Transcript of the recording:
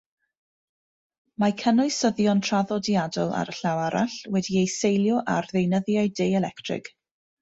Mae cynwysyddion traddodiadol ar y llaw arall wedi eu seilio ar ddeunyddiau deuelectrig.